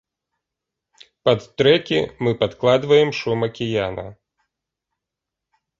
Пад трэкі мы падкладваем шум акіяна.